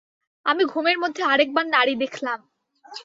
আমি ঘুমের মধ্যে আরেকবার নাড়ি দেখলাম।